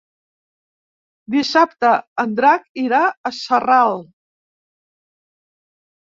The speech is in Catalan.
Dissabte en Drac irà a Sarral.